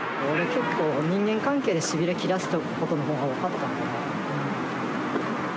ちょっと人間関係でしびれ切らせたことのほうが多かった。